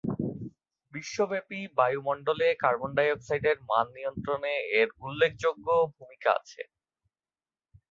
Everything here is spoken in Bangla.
বিশ্বব্যাপী বায়ুমণ্ডলে কার্বন-ডাই-অক্সাইডের মান নিয়ন্ত্রণে এর উল্লেখযোগ্য ভূমিকা আছে।